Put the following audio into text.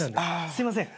すいません。